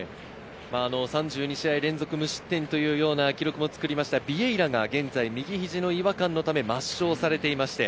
３２試合連続無失点というような記録も作りましたビエイラが右肘の違和感のため抹消されています。